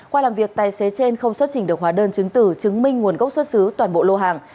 qua làm việc tài xế trên không xuất trình được hóa đơn chứng tử chứng minh nguồn gốc xuất xứ toàn bộ lô hàng